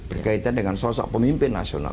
berkaitan dengan sosok pemimpin nasional